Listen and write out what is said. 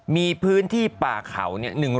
มีพื้นที่ปลาเขา๑๐๐